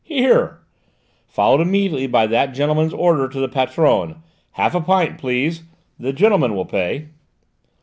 Here," followed immediately by that gentleman's order to the patronne: "Half a pint, please: the gentleman will pay!"